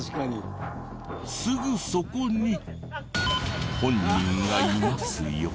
すぐそこに本人がいますよ。